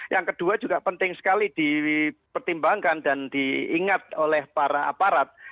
yang kedua juga penting sekali dipertimbangkan dan diingat oleh para aparat